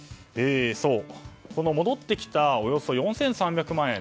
この戻ってきたおよそ４３００万円